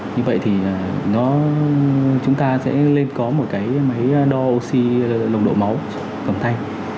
như vậy thì chúng ta sẽ lên có một cái máy đo oxy lồng độ máu cầm tay